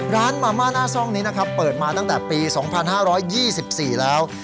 ร้านมาม่าหน้าซ่องนี้นะครับเปิดมาตั้งแต่ปีสองพันห้าร้อยยี่สิบสี่แล้ว